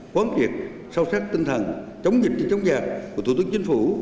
quán triệt sâu sắc tinh thần chống dịch và chống giặc của thủ tướng chính phủ